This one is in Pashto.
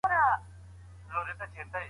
يو سړی په کمپيوټر کي انلاين کار کوي.